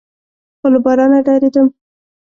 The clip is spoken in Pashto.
خو له بارانه ډارېدم.